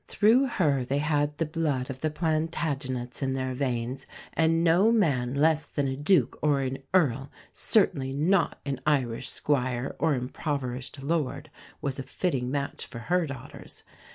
Through her they had the blood of the Plantagenets in their veins; and no man less than a Duke or an Earl certainly not an Irish squire or impoverished lord was a fitting match for her daughters.